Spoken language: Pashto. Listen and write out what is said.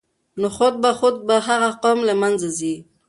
نو خود به خود به هغه قوم له منځه ځي.